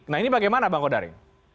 nah ini bagaimana bang kodari